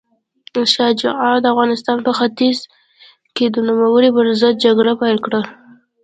شاه شجاع د افغانستان په ختیځ کې د نوموړي پر ضد جګړه پیل کړه.